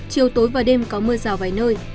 chiều tối và đêm có mưa rào vài nơi